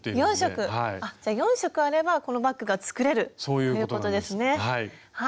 ４色あればこのバッグが作れるっていうことですね。